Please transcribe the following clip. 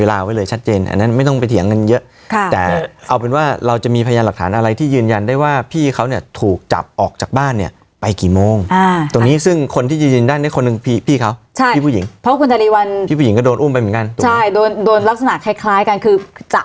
เวลาไว้เลยชัดเจนอันนั้นไม่ต้องไปเถียงกันเยอะค่ะแต่เอาเป็นว่าเราจะมีพยานหลักฐานอะไรที่ยืนยันได้ว่าพี่เขาเนี่ยถูกจับออกจากบ้านเนี่ยไปกี่โมงอ่าตรงนี้ซึ่งคนที่จะยืนด้านนี้คนหนึ่งพี่พี่เขาใช่พี่ผู้หญิงเพราะคุณจริวัลพี่ผู้หญิงก็โดนอุ้มไปเหมือนกันถูกใช่โดนโดนลักษณะคล้ายคล้ายกันคือจะ